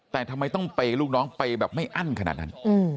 แต่ทำไมต้องเปย์ลูกน้องไปแบบไม่อั้นขนาดนั้น